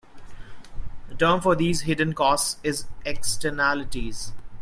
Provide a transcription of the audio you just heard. The term for these hidden costs is "Externalities".